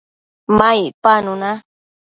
ma icpanu na